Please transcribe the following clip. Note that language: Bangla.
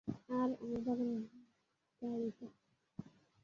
আর আমার বাগানের ডায়রিটা।